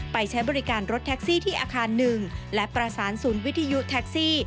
ใช้บริการรถแท็กซี่ที่อาคารหนึ่งและประสานศูนย์วิทยุแท็กซี่